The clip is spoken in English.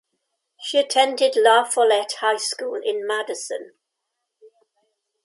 She attended La Follette High School in Madison.